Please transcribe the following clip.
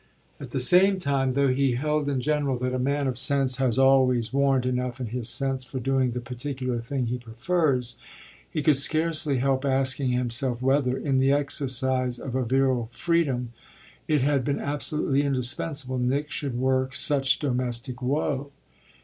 At the same time, though he held in general that a man of sense has always warrant enough in his sense for doing the particular thing he prefers, he could scarcely help asking himself whether, in the exercise of a virile freedom, it had been absolutely indispensable Nick should work such domestic woe.